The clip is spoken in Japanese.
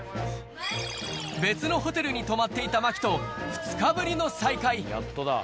別のホテルに泊まっていた茉輝と２日ぶりの再会。